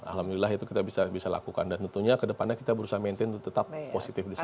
alhamdulillah itu kita bisa lakukan dan tentunya kedepannya kita berusaha maintain tetap positif disana